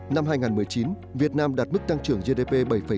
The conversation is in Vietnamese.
năm hai nghìn một mươi chín việt nam đạt mức tăng trưởng gdp